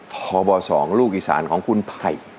พบ๒ลูกอีสานของคุณไผ่